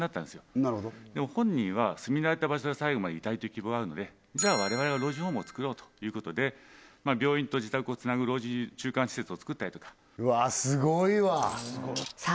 なるほどでも本人は住み慣れた場所に最後までいたいという希望があるのでじゃあ我々が老人ホームをつくろうということで病院と自宅をつなぐ中間施設をつくったりとかわあスゴいわさあ